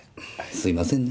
すいませんね。